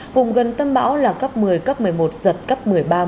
vùng gần tâm bão là cấp một mươi cấp một mươi một giật cấp một mươi ba một mươi bốn